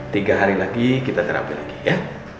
tiga hari lagi kita terapi lagi ya